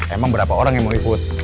emang berapa orang yang mau ikut